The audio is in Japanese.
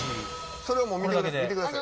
それも見てください。